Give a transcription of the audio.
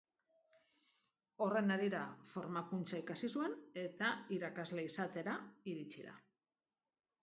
Horren harira formakuntza ikasi zuen eta irakasle izatera iritsi da.